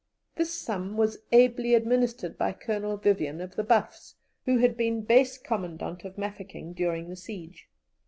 This sum was ably administered by Colonel Vyvyan of the Buffs, who had been Base Commandant of Mafeking during the siege.